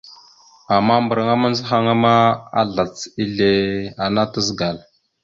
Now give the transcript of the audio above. Ama mbəraŋa mandzəhaŋa ma, azlac ezle ana tazəgal.